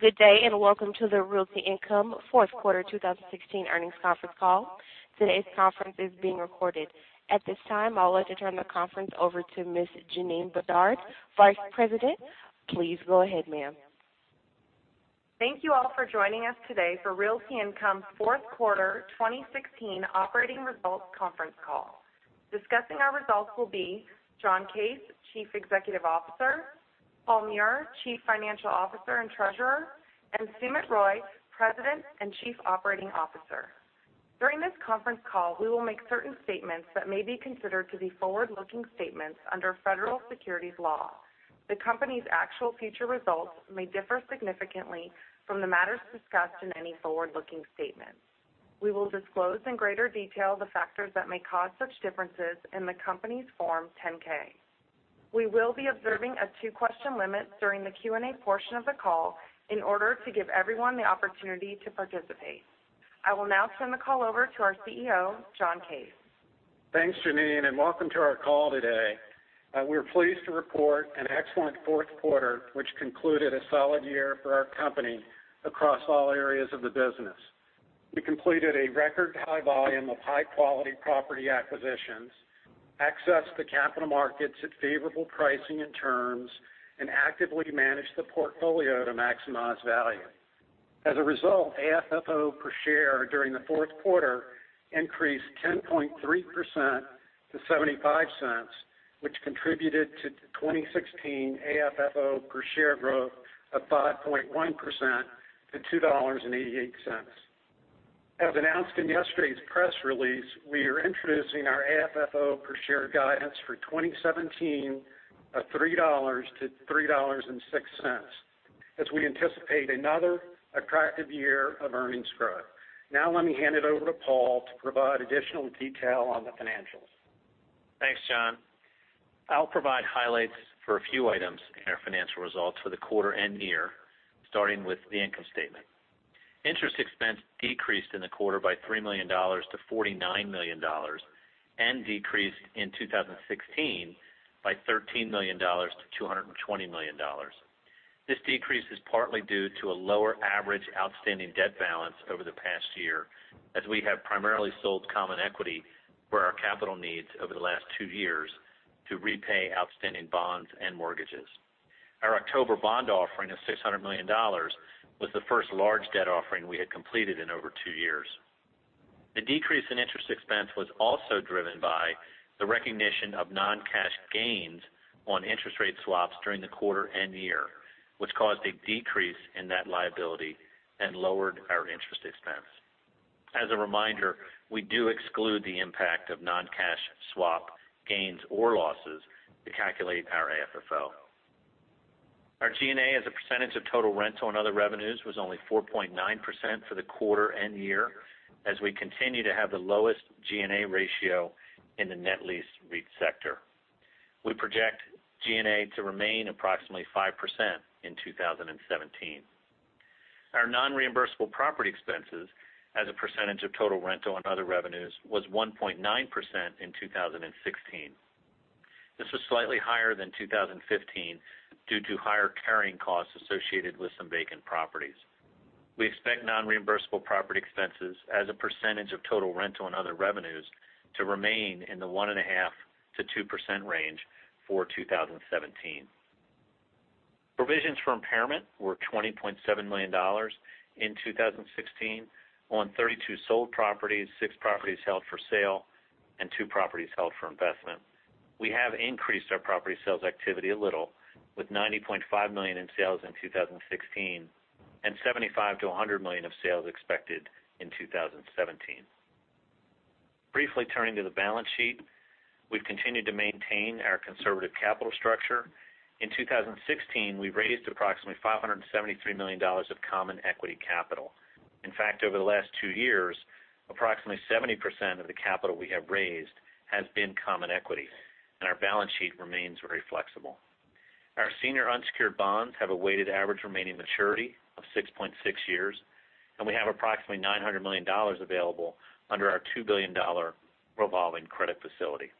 Good day, and welcome to the Realty Income fourth quarter 2016 earnings conference call. Today's conference is being recorded. At this time, I would like to turn the conference over to Ms. Janeen Bedard, vice president. Please go ahead, ma'am. Thank you all for joining us today for Realty Income's fourth quarter 2016 operating results conference call. Discussing our results will be John Case, Chief Executive Officer, Paul Meurer, Chief Financial Officer and Treasurer, and Sumit Roy, President and Chief Operating Officer. During this conference call, we will make certain statements that may be considered to be forward-looking statements under federal securities law. The company's actual future results may differ significantly from the matters discussed in any forward-looking statements. We will disclose in greater detail the factors that may cause such differences in the company's Form 10-K. We will be observing a two-question limit during the Q&A portion of the call in order to give everyone the opportunity to participate. I will now turn the call over to our CEO, John Case. Thanks, Janeen, and welcome to our call today. We are pleased to report an excellent fourth quarter, which concluded a solid year for our company across all areas of the business. We completed a record high volume of high-quality property acquisitions, accessed the capital markets at favorable pricing and terms, and actively managed the portfolio to maximize value. As a result, AFFO per share during the fourth quarter increased 10.3% to $0.75, which contributed to 2016 AFFO per share growth of 5.1% to $2.88. As announced in yesterday's press release, we are introducing our AFFO per share guidance for 2017 of $3 to $3.06, as we anticipate another attractive year of earnings growth. Thanks, John. I'll provide highlights for a few items in our financial results for the quarter and year, starting with the income statement. Interest expense decreased in the quarter by $3 million to $49 million, and decreased in 2016 by $13 million to $220 million. This decrease is partly due to a lower average outstanding debt balance over the past year, as we have primarily sold common equity for our capital needs over the last two years to repay outstanding bonds and mortgages. Our October bond offering of $600 million was the first large debt offering we had completed in over two years. The decrease in interest expense was also driven by the recognition of non-cash gains on interest rate swaps during the quarter and year, which caused a decrease in that liability and lowered our interest expense. As a reminder, we do exclude the impact of non-cash swap gains or losses to calculate our AFFO. Our G&A as a percentage of total rental and other revenues was only 4.9% for the quarter and year, as we continue to have the lowest G&A ratio in the net lease REIT sector. We project G&A to remain approximately 5% in 2017. Our non-reimbursable property expenses as a percentage of total rental and other revenues was 1.9% in 2016. This was slightly higher than 2015 due to higher carrying costs associated with some vacant properties. We expect non-reimbursable property expenses as a percentage of total rental and other revenues to remain in the 1.5%-2% range for 2017. Provisions for impairment were $20.7 million in 2016 on 32 sold properties, six properties held for sale, and two properties held for investment. We have increased our property sales activity a little with $90.5 million in sales in 2016 and $75 million-$100 million of sales expected in 2017. Briefly turning to the balance sheet. We've continued to maintain our conservative capital structure. In 2016, we raised approximately $573 million of common equity capital. In fact, over the last two years, approximately 70% of the capital we have raised has been common equity. Our balance sheet remains very flexible. Our senior unsecured bonds have a weighted average remaining maturity of 6.6 years. We have approximately $900 million available under our $2 billion revolving credit facility.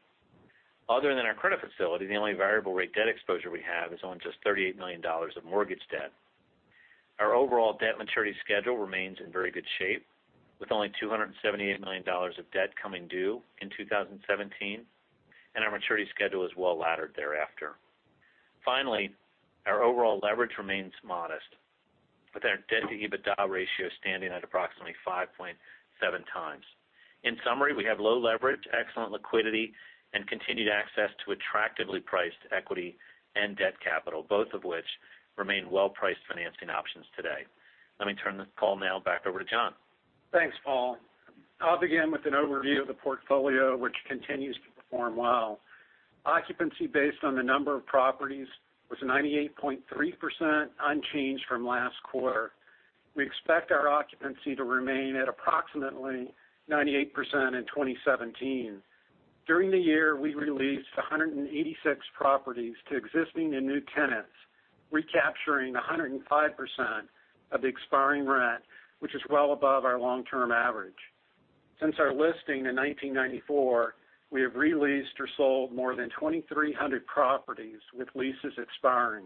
Other than our credit facility, the only variable rate debt exposure we have is on just $38 million of mortgage debt. Our overall debt maturity schedule remains in very good shape, with only $278 million of debt coming due in 2017. Our maturity schedule is well-laddered thereafter. Finally, our overall leverage remains modest, with our debt-to-EBITDA ratio standing at approximately 5.7 times. In summary, we have low leverage, excellent liquidity, and continued access to attractively priced equity and debt capital, both of which remain well-priced financing options today. Let me turn this call now back over to John. Thanks, Paul. I'll begin with an overview of the portfolio, which continues to perform well. Occupancy based on the number of properties was 98.3%, unchanged from last quarter. We expect our occupancy to remain at approximately 98% in 2017. During the year, we re-leased 186 properties to existing and new tenants, recapturing 105% of the expiring rent, which is well above our long-term average. Since our listing in 1994, we have re-leased or sold more than 2,300 properties with leases expiring,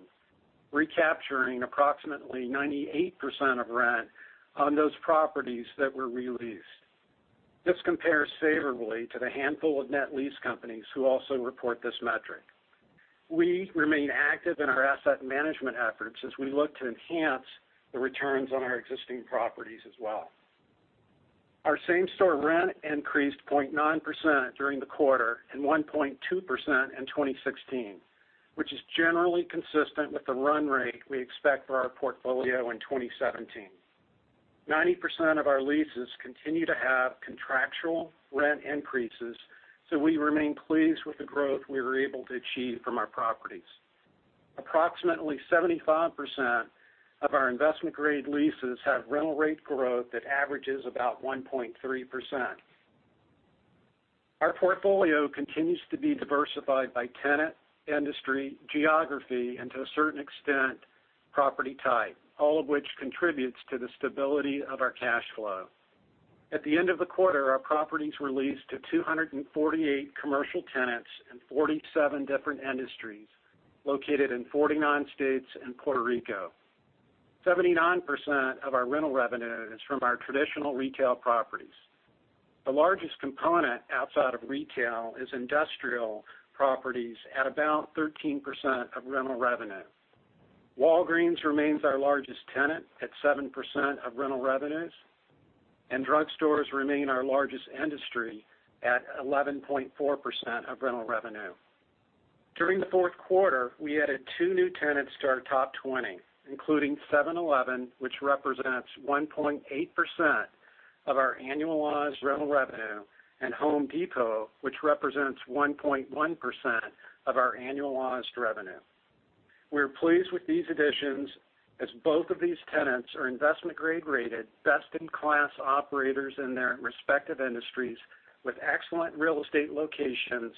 recapturing approximately 98% of rent on those properties that were re-leased. This compares favorably to the handful of net lease companies who also report this metric. We remain active in our asset management efforts as we look to enhance the returns on our existing properties as well. Our same-store rent increased 0.9% during the quarter and 1.2% in 2016, which is generally consistent with the run rate we expect for our portfolio in 2017. 90% of our leases continue to have contractual rent increases, so we remain pleased with the growth we were able to achieve from our properties. Approximately 75% of our investment-grade leases have rental rate growth that averages about 1.3%. Our portfolio continues to be diversified by tenant, industry, geography and to a certain extent, property type, all of which contributes to the stability of our cash flow. At the end of the quarter, our properties were leased to 248 commercial tenants in 47 different industries, located in 49 states and Puerto Rico. 79% of our rental revenue is from our traditional retail properties. The largest component outside of retail is industrial properties at about 13% of rental revenue. Walgreens remains our largest tenant at 7% of rental revenues, and drugstores remain our largest industry at 11.4% of rental revenue. During the fourth quarter, we added two new tenants to our top 20, including 7-Eleven, which represents 1.8% of our annualized rental revenue, and Home Depot, which represents 1.1% of our annualized revenue. We are pleased with these additions as both of these tenants are investment grade-rated, best-in-class operators in their respective industries, with excellent real estate locations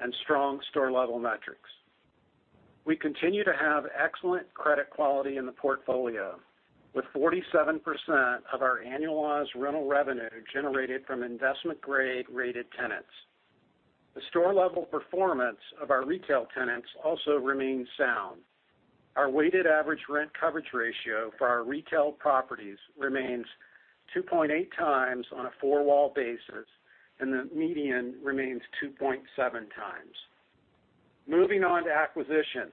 and strong store-level metrics. We continue to have excellent credit quality in the portfolio, with 47% of our annualized rental revenue generated from investment grade-rated tenants. The store-level performance of our retail tenants also remains sound. Our weighted average rent coverage ratio for our retail properties remains 2.8 times on a four-wall basis, and the median remains 2.7 times. Moving on to acquisitions.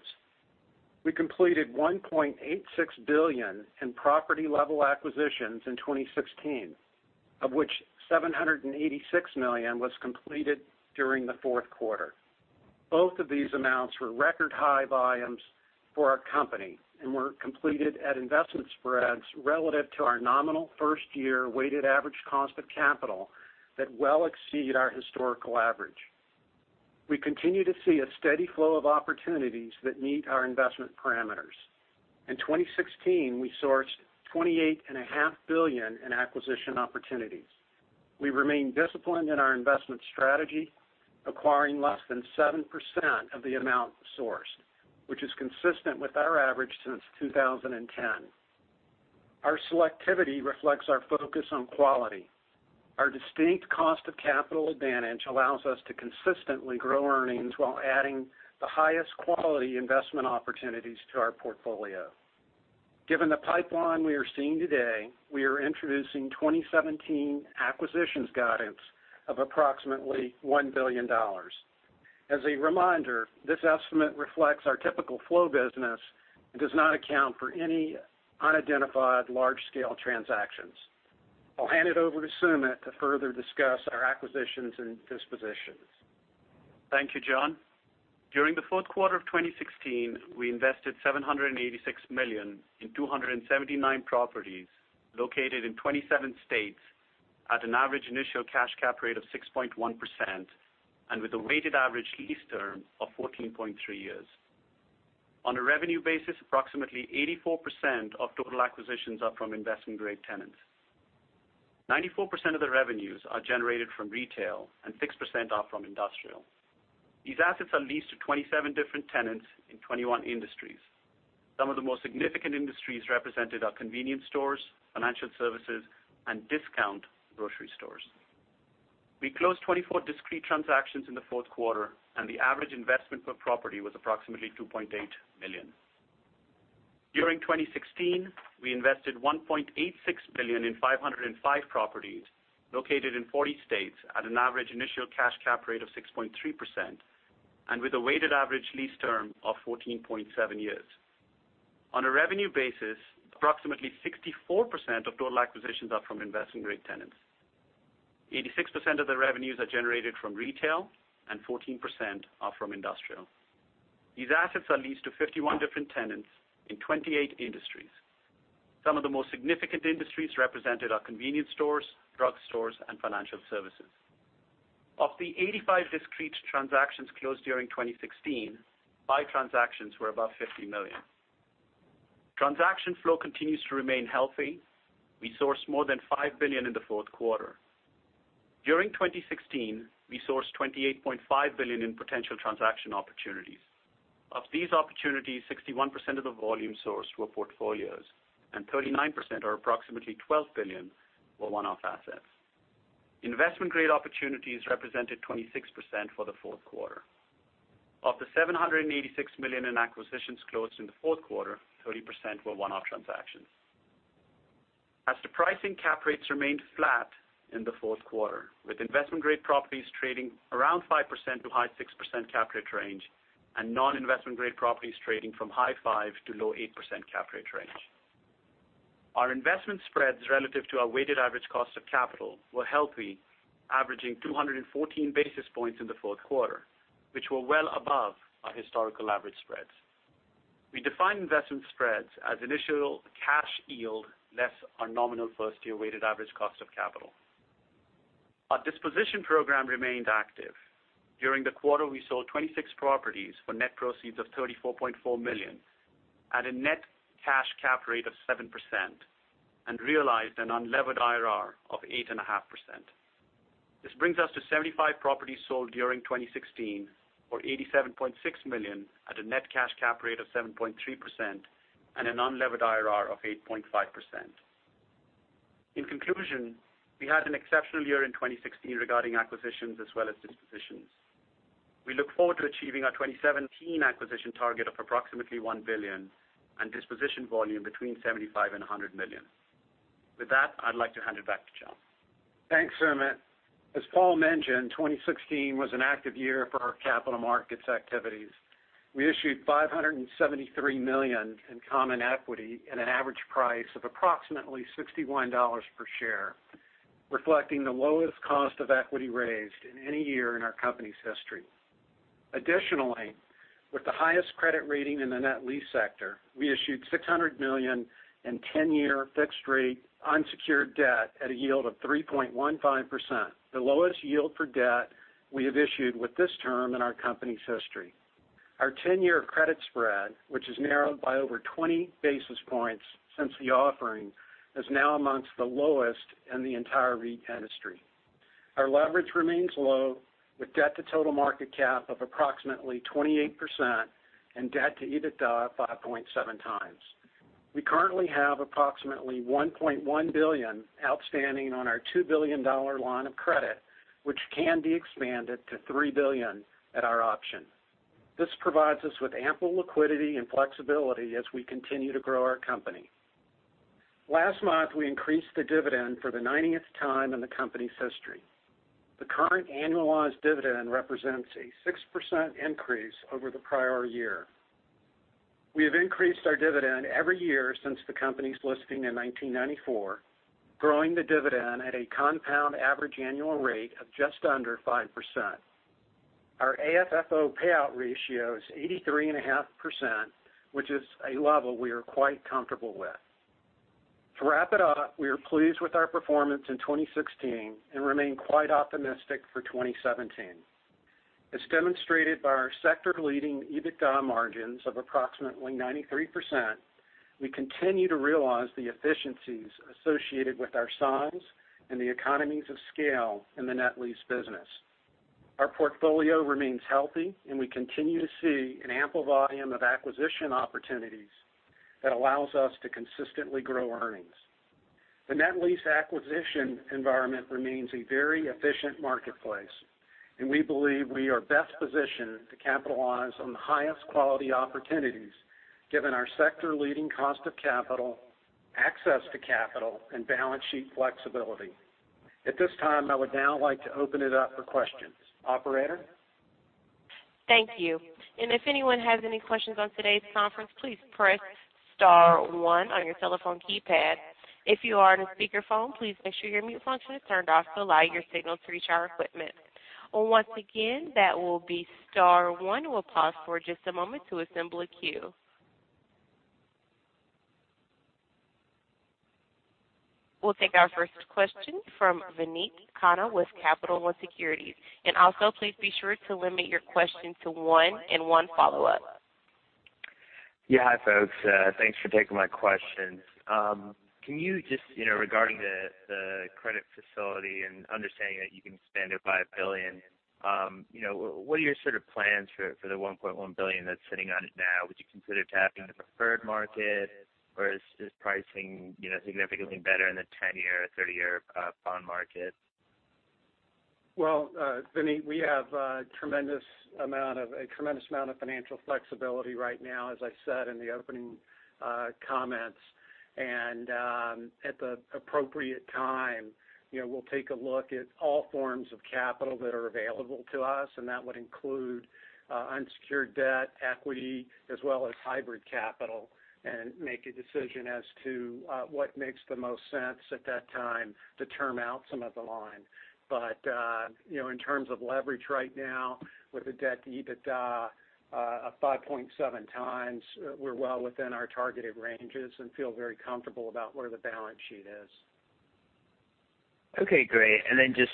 We completed $1.86 billion in property-level acquisitions in 2016, of which $786 million was completed during the fourth quarter. Both of these amounts were record-high volumes for our company and were completed at investment spreads relative to our nominal first-year weighted average cost of capital that well exceed our historical average. We continue to see a steady flow of opportunities that meet our investment parameters. In 2016, we sourced $28.5 billion in acquisition opportunities. We remain disciplined in our investment strategy, acquiring less than 7% of the amount sourced, which is consistent with our average since 2010. Our selectivity reflects our focus on quality. Our distinct cost of capital advantage allows us to consistently grow earnings while adding the highest quality investment opportunities to our portfolio. Given the pipeline we are seeing today, we are introducing 2017 acquisitions guidance of approximately $1 billion. As a reminder, this estimate reflects our typical flow business and does not account for any unidentified large-scale transactions. I'll hand it over to Sumit to further discuss our acquisitions and dispositions. Thank you, John. During the fourth quarter of 2016, we invested $786 million in 279 properties located in 27 states at an average initial cash cap rate of 6.1%, and with a weighted average lease term of 14.3 years. On a revenue basis, approximately 84% of total acquisitions are from investment-grade tenants. 94% of the revenues are generated from retail and 6% are from industrial. These assets are leased to 27 different tenants in 21 industries. Some of the most significant industries represented are convenience stores, financial services, and discount grocery stores. We closed 24 discrete transactions in the fourth quarter, and the average investment per property was approximately $2.8 million. During 2016, we invested $1.86 billion in 505 properties located in 40 states at an average initial cash cap rate of 6.3%, and with a weighted average lease term of 14.7 years. On a revenue basis, approximately 64% of total acquisitions are from investment-grade tenants. 86% of the revenues are generated from retail and 14% are from industrial. These assets are leased to 51 different tenants in 28 industries. Some of the most significant industries represented are convenience stores, drugstores, and financial services. Of the 85 discrete transactions closed during 2016, five transactions were above $50 million. Transaction flow continues to remain healthy. We sourced more than $5 billion in the fourth quarter. During 2016, we sourced $28.5 billion in potential transaction opportunities. Of these opportunities, 61% of the volume sourced were portfolios, and 39%, or approximately $12 billion, were one-off assets. Investment-grade opportunities represented 26% for the fourth quarter. Of the $786 million in acquisitions closed in the fourth quarter, 30% were one-off transactions. As to pricing, cap rates remained flat in the fourth quarter, with investment-grade properties trading around 5% to high 6% cap rate range, and non-investment grade properties trading from high 5% to low 8% cap rate range. Our investment spreads relative to our weighted average cost of capital were healthy, averaging 214 basis points in the fourth quarter, well above our historical average spreads. We define investment spreads as initial cash yield less our nominal first-year weighted average cost of capital. Our disposition program remained active. During the quarter, we sold 26 properties for net proceeds of $34.4 million at a net cash cap rate of 7% and realized an unlevered IRR of 8.5%. This brings us to 75 properties sold during 2016, or $87.6 million at a net cash cap rate of 7.3% and an unlevered IRR of 8.5%. In conclusion, we had an exceptional year in 2016 regarding acquisitions as well as dispositions. We look forward to achieving our 2017 acquisition target of approximately $1 billion and disposition volume between $75 million and $100 million. With that, I'd like to hand it back to John. Thanks, Sumit. As Paul mentioned, 2016 was an active year for our capital markets activities. We issued $573 million in common equity at an average price of approximately $61 per share, reflecting the lowest cost of equity raised in any year in our company's history. Additionally, with the highest credit rating in the net lease sector, we issued $600 million in 10-year fixed rate unsecured debt at a yield of 3.15%, the lowest yield for debt we have issued with this term in our company's history. Our 10-year credit spread, which has narrowed by over 20 basis points since the offering, is now amongst the lowest in the entire REIT industry. Our leverage remains low, with debt to total market cap of approximately 28% and debt to EBITDA 5.7 times. We currently have approximately $1.1 billion outstanding on our $2 billion line of credit, which can be expanded to $3 billion at our option. This provides us with ample liquidity and flexibility as we continue to grow our company. Last month, we increased the dividend for the 90th time in the company's history. The current annualized dividend represents a 6% increase over the prior year. We have increased our dividend every year since the company's listing in 1994, growing the dividend at a compound average annual rate of just under 5%. Our AFFO payout ratio is 83.5%, which is a level we are quite comfortable with. To wrap it up, we are pleased with our performance in 2016 and remain quite optimistic for 2017. As demonstrated by our sector-leading EBITDA margins of approximately 93%, we continue to realize the efficiencies associated with our size and the economies of scale in the net lease business. Our portfolio remains healthy, and we continue to see an ample volume of acquisition opportunities that allows us to consistently grow earnings. The net lease acquisition environment remains a very efficient marketplace, and we believe we are best positioned to capitalize on the highest quality opportunities given our sector-leading cost of capital, access to capital, and balance sheet flexibility. At this time, I would now like to open it up for questions. Operator? Thank you. If anyone has any questions on today's conference, please press star one on your telephone keypad. If you are on a speakerphone, please make sure your mute function is turned off to allow your signal to reach our equipment. Once again, that will be star one. We'll pause for just a moment to assemble a queue. We'll take our first question from Vineet Khanna with Capital One Securities. Also, please be sure to limit your question to one and one follow-up. Yeah. Hi, folks. Thanks for taking my questions. Regarding the credit facility and understanding that you can expand it by $1 billion, what are your sort of plans for the $1.1 billion that's sitting on it now? Would you consider tapping the preferred market, or is this pricing significantly better in the 10-year or 30-year bond market? Well, Vineet, we have a tremendous amount of financial flexibility right now, as I said in the opening comments. At the appropriate time, we'll take a look at all forms of capital that are available to us, and that would include unsecured debt, equity, as well as hybrid capital, and make a decision as to what makes the most sense at that time to term out some of the line. In terms of leverage right now with the debt-to-EBITDA of 5.7 times, we're well within our targeted ranges and feel very comfortable about where the balance sheet is. Okay, great. Just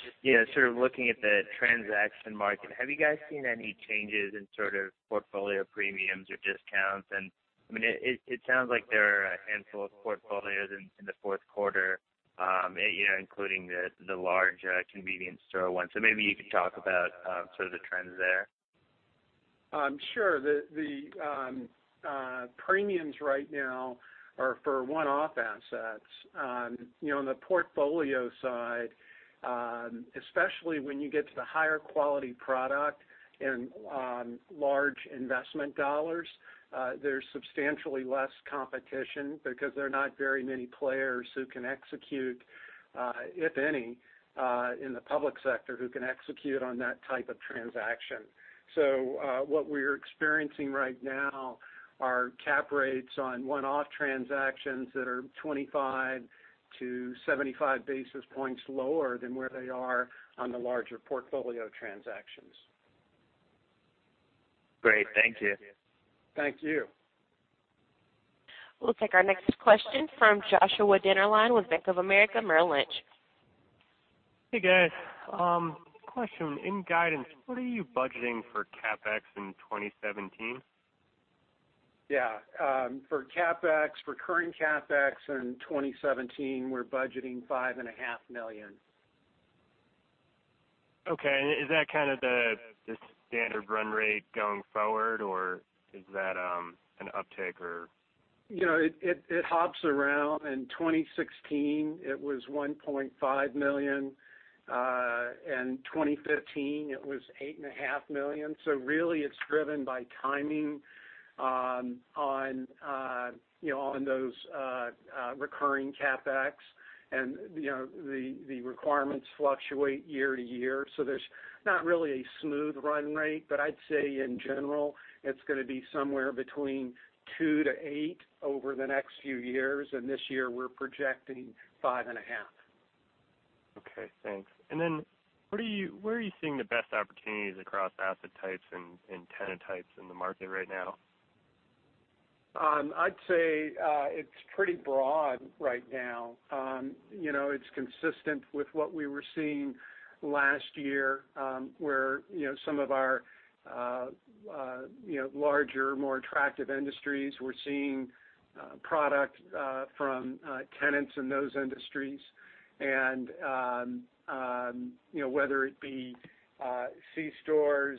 sort of looking at the transaction market, have you guys seen any changes in sort of portfolio premiums or discounts? It sounds like there are a handful of portfolios in the fourth quarter including the large convenience store one. Maybe you could talk about the trends there. Sure. The premiums right now are for one-off assets. On the portfolio side, especially when you get to the higher-quality product and large investment dollars, there's substantially less competition because there are not very many players, if any, in the public sector who can execute on that type of transaction. What we're experiencing right now are cap rates on one-off transactions that are 25 to 75 basis points lower than where they are on the larger portfolio transactions. Great. Thank you. Thank you. We'll take our next question from Joshua Dennerlein with Bank of America Merrill Lynch. Hey, guys. Question, in guidance, what are you budgeting for CapEx in 2017? Yeah. For recurring CapEx in 2017, we're budgeting $5.5 million. Okay. Is that kind of the standard run rate going forward, or is that an uptick? It hops around. In 2016, it was $1.5 million, 2015 it was $8.5 million. Really, it's driven by timing on those recurring CapEx. The requirements fluctuate year to year, there's not really a smooth run rate. I'd say in general, it's going to be somewhere between two to eight over the next few years. This year, we're projecting $5.5. Okay, thanks. Then where are you seeing the best opportunities across asset types and tenant types in the market right now? I'd say it's pretty broad right now. It's consistent with what we were seeing last year, where some of our larger, more attractive industries were seeing product from tenants in those industries. Whether it be C-stores,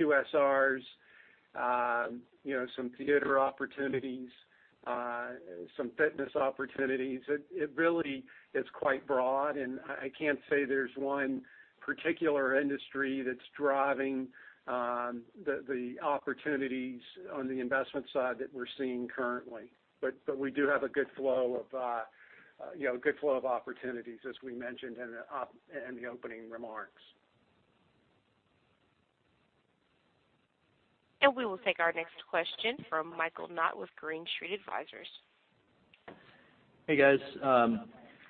QSRs, some theater opportunities, some fitness opportunities, it really is quite broad, and I can't say there's one particular industry that's driving the opportunities on the investment side that we're seeing currently. We do have a good flow of opportunities, as we mentioned in the opening remarks. We will take our next question from Michael Knott with Green Street Advisors. Hey, guys.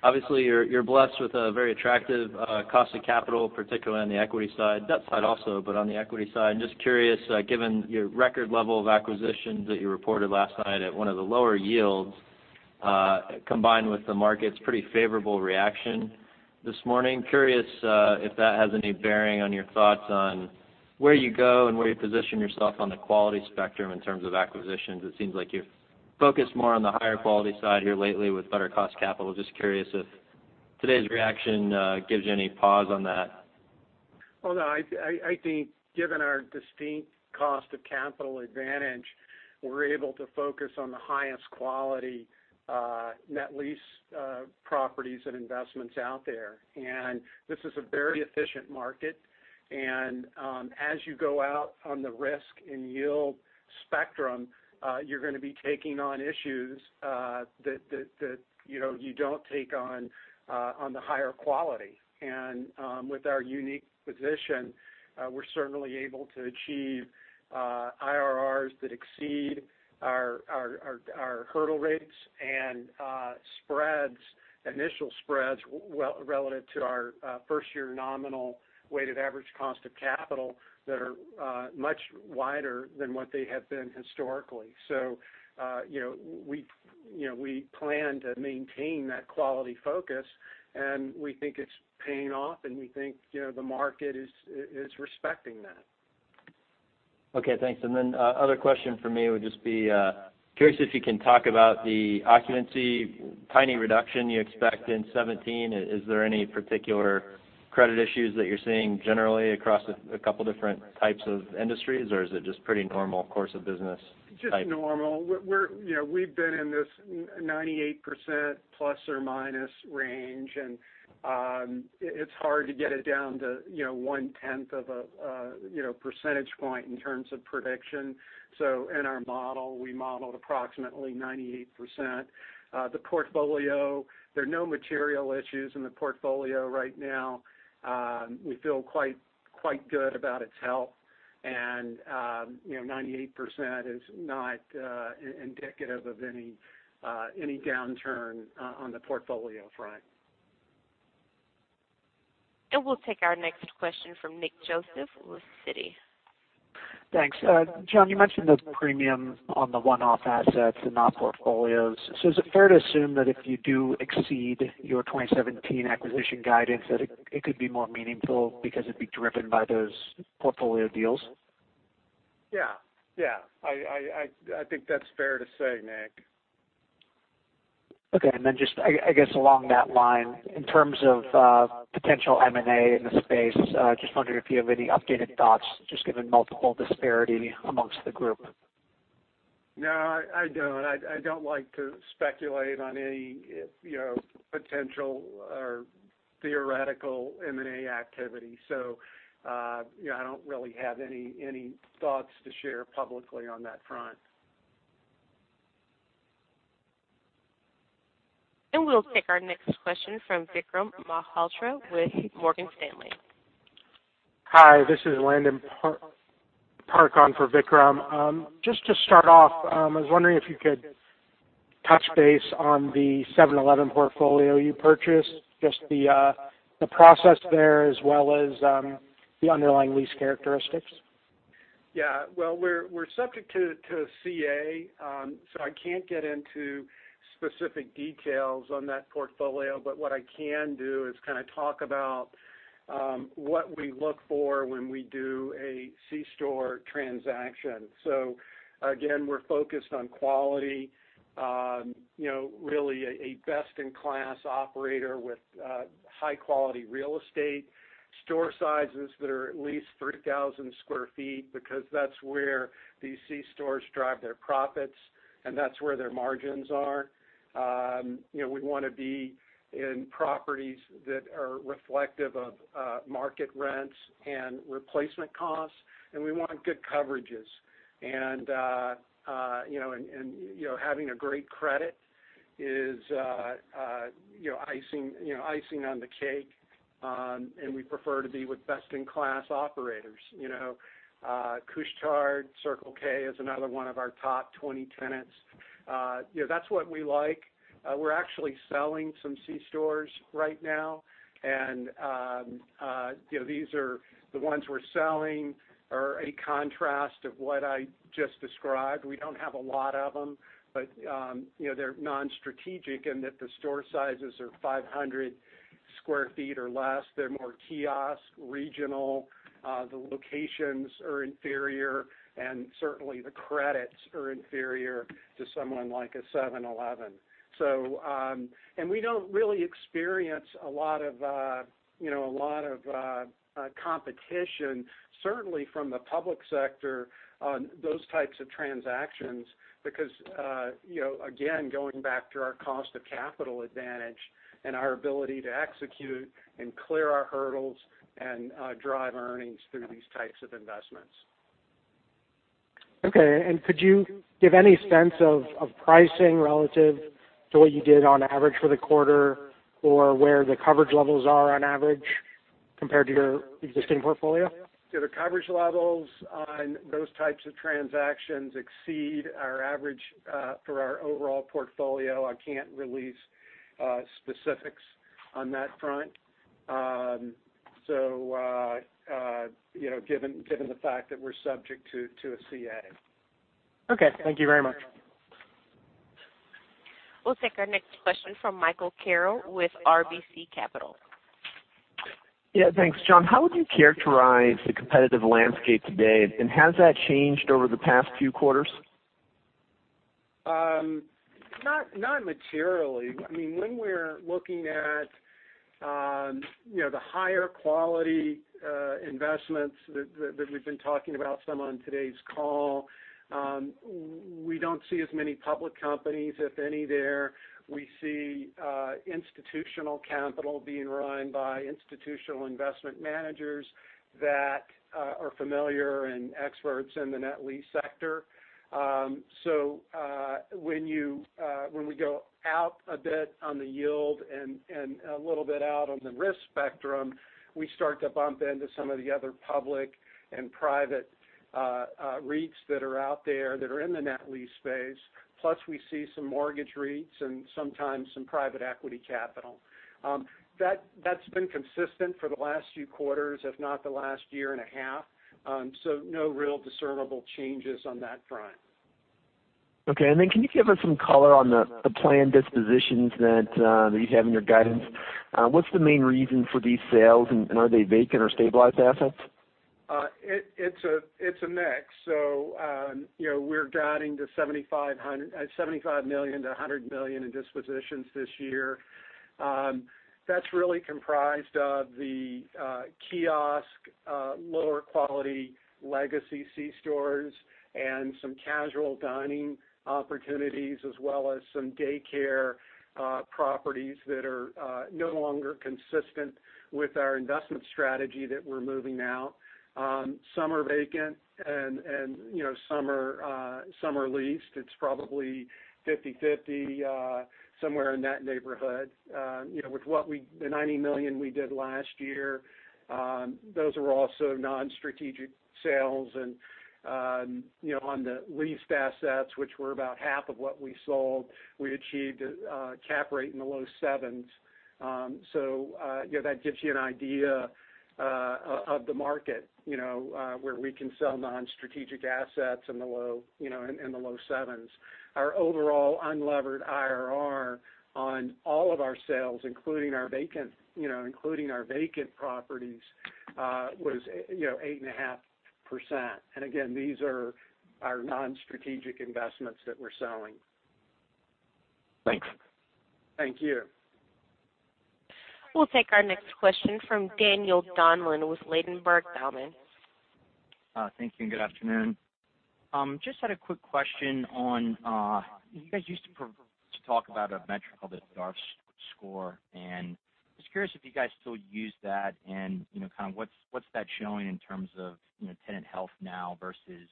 Obviously, you're blessed with a very attractive cost of capital, particularly on the equity side. Debt side also, but on the equity side. Just curious, given your record level of acquisitions that you reported last night at one of the lower yields, combined with the market's pretty favorable reaction this morning, curious if that has any bearing on your thoughts on where you go and where you position yourself on the quality spectrum in terms of acquisitions. It seems like you've focused more on the higher-quality side here lately with better cost capital. Just curious if today's reaction gives you any pause on that. Well, no. I think given our distinct cost of capital advantage, we're able to focus on the highest quality net lease properties and investments out there. This is a very efficient market, and as you go out on the risk and yield spectrum, you're going to be taking on issues that you don't take on the higher quality. With our unique position, we're certainly able to achieve IRRs that exceed our hurdle rates and initial spreads relative to our first-year nominal weighted average cost of capital that are much wider than what they have been historically. We plan to maintain that quality focus, and we think it's paying off, and we think the market is respecting that. Okay, thanks. Other question from me would just be, curious if you can talk about the occupancy tiny reduction you expect in 2017. Is there any particular credit issues that you're seeing generally across a couple different types of industries, or is it just pretty normal course of business type? Just normal. We've been in this 98% ± range, and it's hard to get it down to one-tenth of a percentage point in terms of prediction. In our model, we modeled approximately 98%. There are no material issues in the portfolio right now. We feel quite good about its health, and 98% is not indicative of any downturn on the portfolio front. We'll take our next question from Nick Joseph with Citi. Thanks. John, you mentioned those premiums on the one-off assets and not portfolios. Is it fair to assume that if you do exceed your 2017 acquisition guidance, that it'd be more meaningful because it'd be driven by those portfolio deals? Yeah. I think that's fair to say, Nick. Okay, just, I guess along that line, in terms of potential M&A in the space, just wondering if you have any updated thoughts, just given multiple disparity amongst the group. No, I don't. I don't like to speculate on any potential or theoretical M&A activity. I don't really have any thoughts to share publicly on that front. We'll take our next question from Vikram Malhotra with Morgan Stanley. Hi, this is Landon Park for Vikram. Just to start off, I was wondering if you could touch base on the 7-Eleven portfolio you purchased, just the process there as well as the underlying lease characteristics. Well, we're subject to CA, I can't get into specific details on that portfolio, but what I can do is kind of talk about what we look for when we do a C-store transaction. Again, we're focused on quality, really a best-in-class operator with high-quality real estate. Store sizes that are at least 3,000 sq ft, because that's where these C-stores drive their profits, and that's where their margins are. We want to be in properties that are reflective of market rents and replacement costs, and we want good coverages. Having a great credit is icing on the cake, and we prefer to be with best-in-class operators. Couche-Tard, Circle K is another one of our top 20 tenants. That's what we like. We're actually selling some C-stores right now, these are the ones we're selling are a contrast of what I just described. We don't have a lot of them, they're non-strategic in that the store sizes are 500 sq ft or less. They're more kiosk, regional. The locations are inferior, and certainly the credits are inferior to someone like a 7-Eleven. We don't really experience a lot of competition, certainly from the public sector on those types of transactions because, again, going back to our cost of capital advantage and our ability to execute and clear our hurdles and drive earnings through these types of investments. Could you give any sense of pricing relative to what you did on average for the quarter, or where the coverage levels are on average compared to your existing portfolio? The coverage levels on those types of transactions exceed our average for our overall portfolio. I can't release specifics on that front. Given the fact that we're subject to a CA. Okay. Thank you very much. We'll take our next question from Michael Carroll with RBC Capital. Yeah. Thanks, John. How would you characterize the competitive landscape today, and has that changed over the past few quarters? Not materially. When we're looking at the higher-quality investments that we've been talking about some on today's call, we don't see as many public companies, if any, there. We see institutional capital being run by institutional investment managers that are familiar and experts in the net lease sector. When we go out a bit on the yield and a little bit out on the risk spectrum, we start to bump into some of the other public and private REITs that are out there that are in the net lease space. We see some mortgage REITs and sometimes some private equity capital. That's been consistent for the last few quarters, if not the last year and a half. No real discernible changes on that front. Okay. Can you give us some color on the planned dispositions that you have in your guidance? What's the main reason for these sales, and are they vacant or stabilized assets? It's a mix. We're guiding to $75 million-$100 million in dispositions this year. That's really comprised of the kiosk, lower-quality legacy C-stores and some casual dining opportunities, as well as some daycare properties that are no longer consistent with our investment strategy that we're moving out. Some are vacant, and some are leased. It's probably 50/50, somewhere in that neighborhood. With the $90 million we did last year, those were also non-strategic sales. On the leased assets, which were about half of what we sold, we achieved a cap rate in the low sevens. That gives you an idea of the market, where we can sell non-strategic assets in the low sevens. Our overall unlevered IRR on all of our sales, including our vacant properties, was 8.5%. Again, these are our non-strategic investments that we're selling. Thanks. Thank you. We'll take our next question from Daniel Donlan with Ladenburg Thalmann. Thank you. Good afternoon. Just had a quick question on, you guys used to talk about a metric called a DART score, and I was curious if you guys still use that and, kind of what's that showing in terms of tenant health now versus,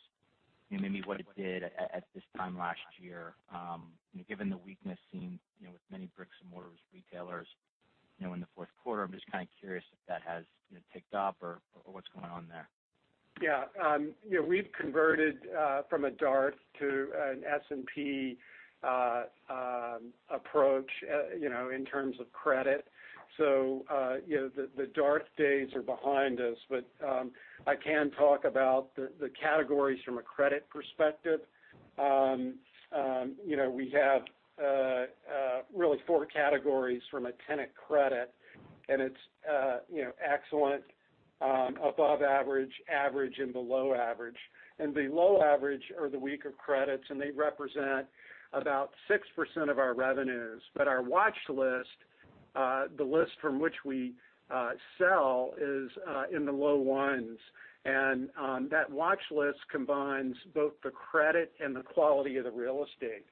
maybe what it did at this time last year. Given the weakness seen with many bricks-and-mortar retailers in the fourth quarter, I'm just kind of curious if that has ticked up or what's going on there. Yeah. We've converted from a DART to an S&P approach, in terms of credit. The DART days are behind us. I can talk about the categories from a credit perspective. We have really four categories from a tenant credit, and it's excellent, above average, and below average. The low average are the weaker credits, and they represent about 6% of our revenues. Our watch list, the list from which we sell, is in the low ones. That watch list combines both the credit and the quality of the real estate.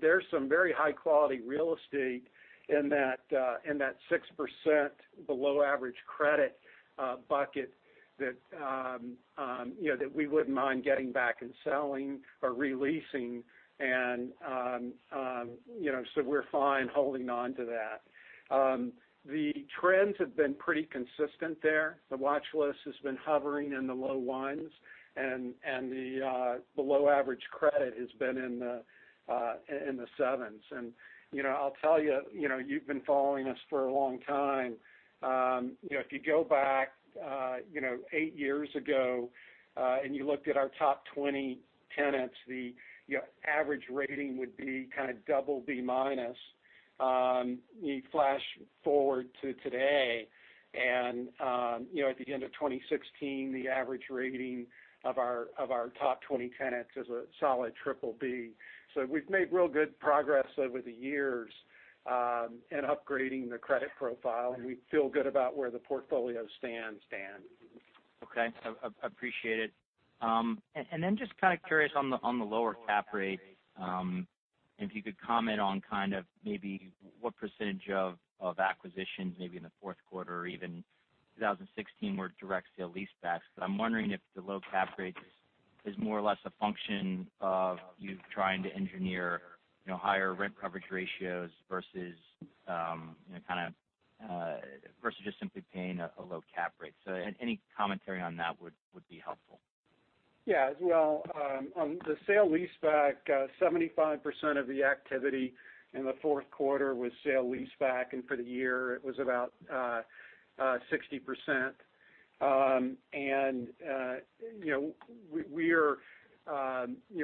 There's some very high-quality real estate in that 6% below average credit bucket that we wouldn't mind getting back and selling or re-leasing, so we're fine holding on to that. The trends have been pretty consistent there. The watch list has been hovering in the low ones, and the below-average credit has been in the sevens. I'll tell you've been following us for a long time. If you go back 8 years ago, and you looked at our top 20 tenants, the average rating would be kind of double B minus. You flash forward to today and at the end of 2016, the average rating of our top 20 tenants is a solid triple B. We've made real good progress over the years in upgrading the credit profile, and we feel good about where the portfolio stands, Dan. Okay. Appreciate it. Then just kind of curious on the lower cap rate, if you could comment on kind of maybe what percentage of acquisitions maybe in the fourth quarter or even 2016 were direct sale leasebacks. Because I'm wondering if the low cap rate is more or less a function of you trying to engineer higher rent coverage ratios versus just simply paying a low cap rate. Any commentary on that would be helpful. Well, on the sale leaseback, 75% of the activity in the fourth quarter was sale leaseback, and for the year it was about 60%.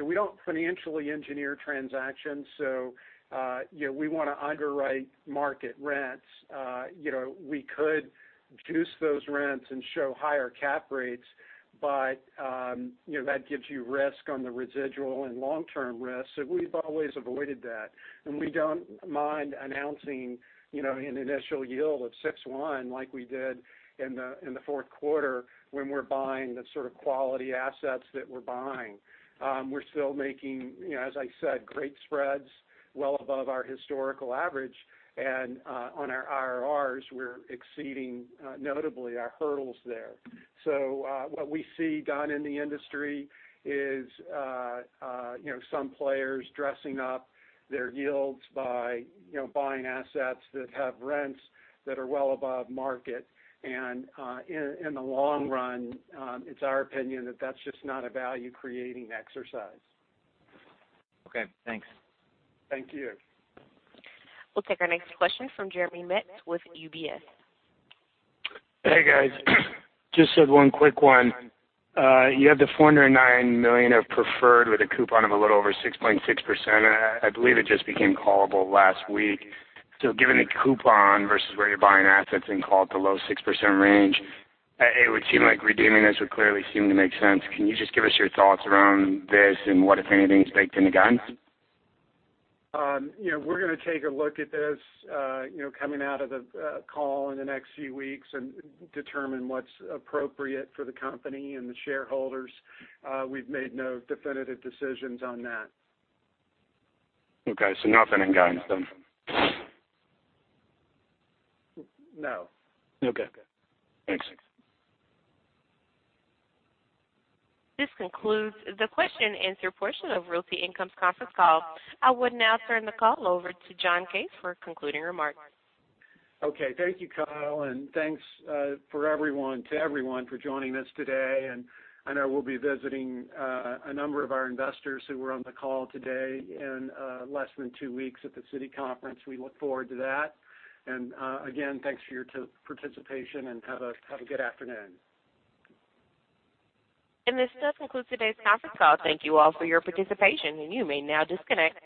We don't financially engineer transactions, we want to underwrite market rents. We could juice those rents and show higher cap rates, but that gives you risk on the residual and long-term risk. We've always avoided that, and we don't mind announcing an initial yield of 6.1 like we did in the fourth quarter when we're buying the sort of quality assets that we're buying. We're still making, as I said, great spreads well above our historical average, and on our IRRs, we're exceeding notably our hurdles there. What we see, Don, in the industry is some players dressing up their yields by buying assets that have rents that are well above market. In the long run, it's our opinion that that's just not a value-creating exercise. Okay, thanks. Thank you. We'll take our next question from Jeremy Metz with UBS. Hey, guys. Just had one quick one. You have the $409 million of preferred with a coupon of a little over 6.6%. I believe it just became callable last week. Given the coupon versus where you're buying assets and call it the low 6% range, it would seem like redeeming this would clearly seem to make sense. Can you just give us your thoughts around this and what, if anything, is baked in the guidance? We're going to take a look at this coming out of the call in the next few weeks and determine what's appropriate for the company and the shareholders. We've made no definitive decisions on that. Okay, nothing in guidance then? No. Okay, thanks. This concludes the question and answer portion of Realty Income's conference call. I would now turn the call over to John Case for concluding remarks. Okay. Thank you, Kyle. Thanks to everyone for joining us today. I know we'll be visiting a number of our investors who were on the call today in less than two weeks at the Citi conference. We look forward to that. Again, thanks for your participation, and have a good afternoon. This does conclude today's conference call. Thank you all for your participation, and you may now disconnect.